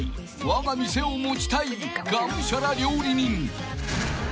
わが店を持ちたいがむしゃら料理人］